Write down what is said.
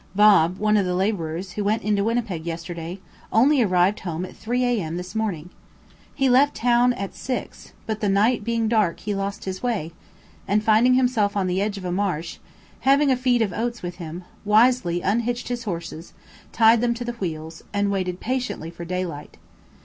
Bob, one of the labourers, who went into Winnipeg yesterday, only arrived home at 3 A.M. this morning. He left town at 6, but the night being dark he lost his way, and finding himself on the edge of a marsh, having a feed of oats with him, wisely unhitched his horses, tied them to the wheels, and waited patiently for daylight.